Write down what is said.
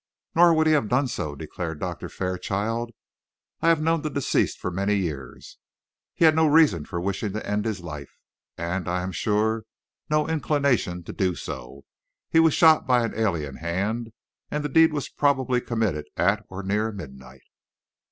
"Nor would he have done so," declared Doctor Fairchild. "I have known the deceased for many years. He had no reason for wishing to end his life, and, I am sure, no inclination to do so. He was shot by an alien hand, and the deed was probably committed at or near midnight."